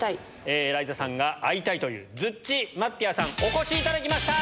エライザさんが会いたいというズッチ・マッティアさん、お越しいただきました。